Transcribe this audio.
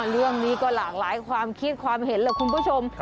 เรื่องนี้ก็หลากหลายความคิดความเห็นแหละคุณผู้ชม